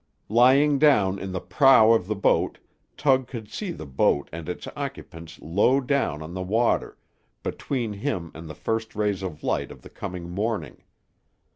Lying down in the prow of the boat, Tug could see the boat and its occupants low down on the water, between him and the first rays of light of the coming morning.